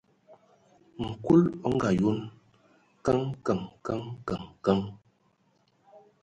Nkul o ngaayon: Kəŋ, kəŋ, kəŋ, kəŋ, kəŋ!.